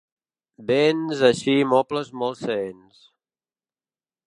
Béns així mobles com seents.